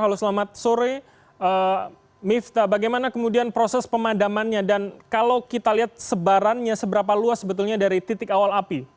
halo selamat sore mifta bagaimana kemudian proses pemadamannya dan kalau kita lihat sebarannya seberapa luas sebetulnya dari titik awal api